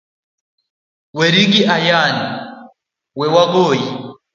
weri gi ayany, kata wagoyi.